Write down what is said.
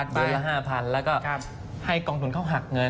เดือนละ๕๐๐๐แล้วก็ให้กองทุนเขาหักเงิน